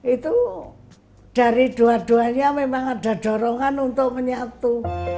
itu dari dua duanya memang ada dorongan untuk menyatu